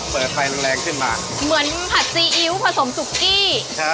เปลี่ยนแรงมาเหมือนผัดซีอิ๊วผสมซุกกี้